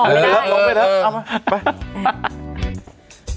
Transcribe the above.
เอามาไป